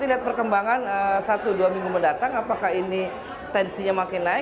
kalau yang satu tidak terpenuhi dengan pembangunan dan kembangan satu dua minggu mendatang apakah ini tensinya makin naik